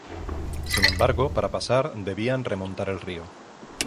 Sin embargo, para pasar, debían remontar el río.